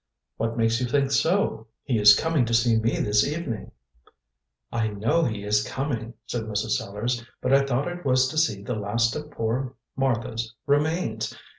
"What makes you think so?" "He is coming to see me this evening." "I know he is coming," said Mrs. Sellars; "but I thought it was to see the last of poor Martha's remains.